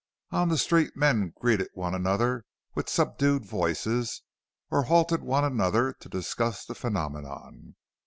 On the street men greeted one another with subdued voices, or halted one another to discuss the phenomenon.